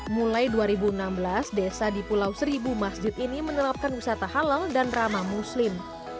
mulai dua ribu enam belas desa di pulau seribu masjid ini menerapkan wisata halal dan ramah muslim